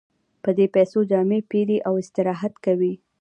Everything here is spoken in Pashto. په دې پیسو جامې پېري او استراحت کوي